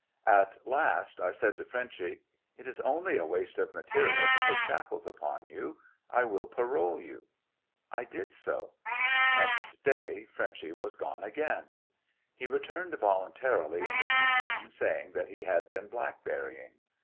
At last I said to Frenchy, "It is only a waste of material to put shackles upon you; I will parole you." 716 TRIAL OP HENKY WIRZ. I did so. Next day Frenchy was gone again. He returned voluntarily in the evening, saying that he had been blackberrying.